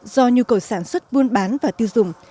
do nhu cầu sản xuất buôn bán và tiêu dùng